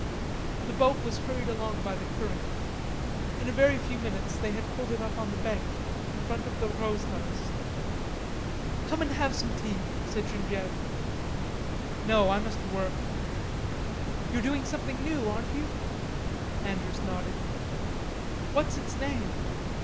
The boat was hurried along by the current. In a very few minutes they had pulled it up on the bank in front of the Rods' house. "Come and have some tea," said Genevieve. "No, I must work." "You are doing something new, aren't you?" Andrews nodded. "What's its name?"